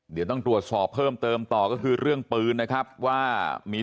เดี๋ยวต้องตรวจสอบเพิ่มเติมต่อก็คือเรื่องปืนนะครับว่ามี